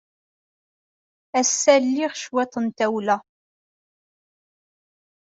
Ass-a, liɣ cwiṭ n tawla.